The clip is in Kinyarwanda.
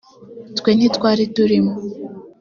twe ntitwari turimo